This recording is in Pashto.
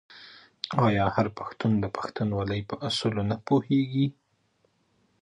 آیا هر پښتون د پښتونولۍ په اصولو نه پوهیږي؟